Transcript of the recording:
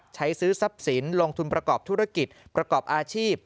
ซื้อทรัพย์สินลงทุนประกอบธุรกิจประกอบอาชีพ